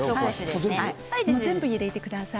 全部、入れてください。